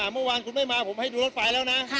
เมื่อวานคุณไม่มาผมให้ดูรถไฟแล้วนะ